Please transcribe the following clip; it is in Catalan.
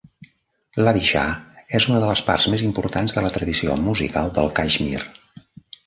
Ladishah és una de las parts més importants de la tradició musical del Caixmir.